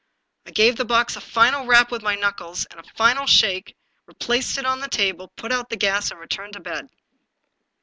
I gave the box a final rap with my knuckles and a final shake, replaced it on the table, put out the gas, and re turned to bed.